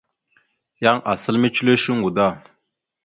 Yan asal mecəle shuŋgo da.